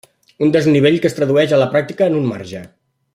Un desnivell que es tradueix a la pràctica en un marge.